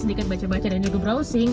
sedikit baca baca dan youtube browsing